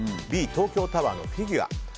Ｂ、東京タワーのフィギュア。